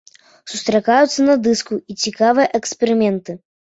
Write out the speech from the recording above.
Сустракаюцца на дыску і цікавыя эксперыменты.